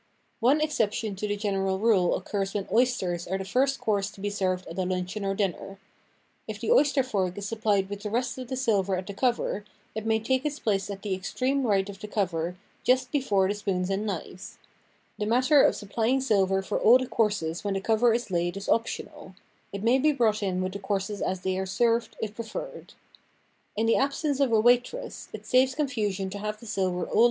One exception to the general rule oc curs when oysters are the first course to be served at a luncheon or dinner. If the oyster fork is supplied with the rest of the silver at the cover ) King Pattern of Flatware One of the earliest Colonial designs, still in use by the older families cover, it may take its place at the extreme right of the cover, just before the spoons and knives. The matter of supplying silver for all the courses when the cover is laid is optional. It may be brought in with the courses as they are served, if preferred. In the absence of a waitress, it saves confusion to have the silver all laid and ready.